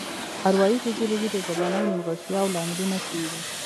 اروايي فزیولوژي د ژبنیو نیمګړتیاوو لاملونه څیړي